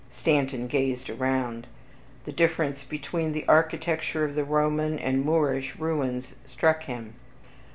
Stanton gazed around. The difference between the architecture of the Roman and Moorish ruins struck him.